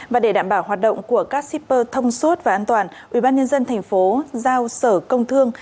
và để đảm bảo hoạt động của các shipper thông suốt và an toàn ubnd tp giao sở công thương